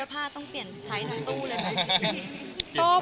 เสื้อผ้าต้องเปลี่ยนไซส์ทั้งตู้เลยมั้ย